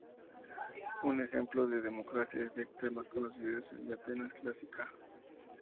Un ejemplo de democracia directa más conocido es el de la Atenas clásica.